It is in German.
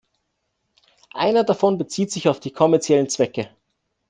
Einer davon bezieht sich auf die kommerziellen Zwecke.